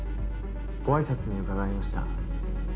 ご挨拶に伺いました。